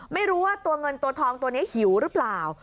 ไม่รู้ว่าตัวเงินตัวทองตัวนี้หิวหรือเปล่า